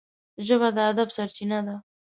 ژبه د ادب سرچینه ده